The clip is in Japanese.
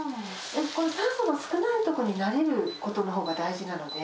酸素が少ない所に慣れることのほうが大事なので。